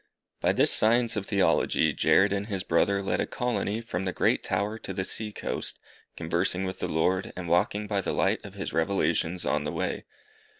By the science of Theology Jared and his brother led a colony from the great tower to the sea coast, conversing with the Lord, and walking by the light of His revelations on the way.